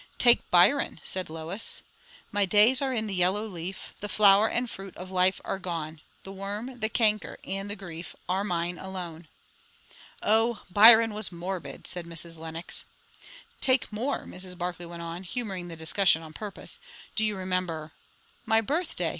'" "Take Byron," said Lois 'My days are in the yellow leaf, The flower and fruit of life are gone; The worm, the canker, and the grief, Are mine alone.'" "O, Byron was morbid," said Mrs. Lenox. "Take Moore," Mrs. Barclay went on, humouring the discussion on purpose. "Do you remember? 'My birthday!